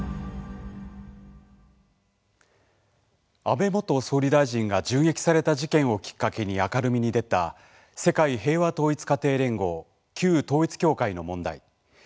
安倍元総理大臣が銃撃された事件をきっかけに明るみに出た世界平和統一家庭連合旧統一教会の問題。